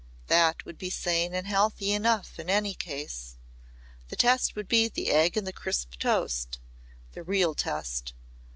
That would be sane and healthy enough in any case. The test would be the egg and the crisp toast the real test.